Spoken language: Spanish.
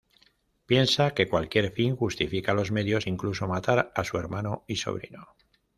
Piensa que cualquier fin justifica los medios, incluso matar a su hermano y sobrino.